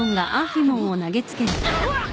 うわっ！